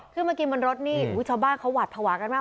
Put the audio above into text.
มากินบนรถนี่ชาวบ้านเขาหวัดภาวะกันมาก